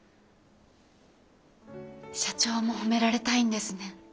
社長も褒められたいんですね。